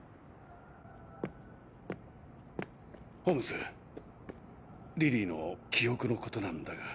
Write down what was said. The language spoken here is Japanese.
ホームズリリーの記憶のことなんだが。